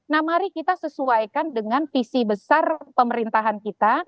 nah mari kita sesuaikan dengan visi besar pemerintahan kita